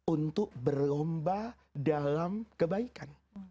untuk berlomba dalam kebaikan